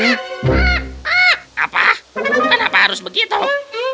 apa kenapa harus begitu